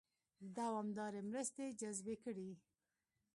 دوامدارې مرستې جذبې کړي.